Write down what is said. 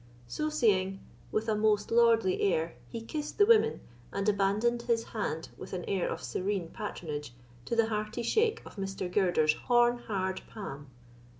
So saying, with a most lordly air he kissed the women, and abandoned his hand, with an air of serene patronage, to the hearty shake of Mr. Girder's horn hard palm.